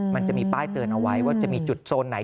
มันจะมีป้ายเตือนเอาไว้ว่าจะมีจุดโซนไหน